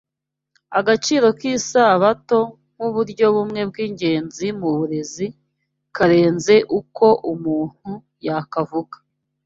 Agaciro k’Isabato nk’uburyo bumwe bw’ingenzi mu burezi karenze uko umuntu yakavuga